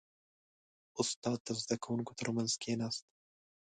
• استاد د زده کوونکو ترمنځ کښېناست.